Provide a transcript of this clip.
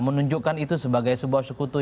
menunjukkan itu sebagai sebuah sekutu